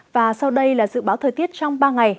và sau đây là dự báo thời tiết trong ba ngày